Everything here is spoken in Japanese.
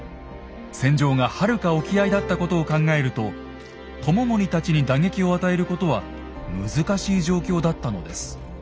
戦場がはるか沖合だったことを考えると知盛たちに打撃を与えることは難しい状況だったのです。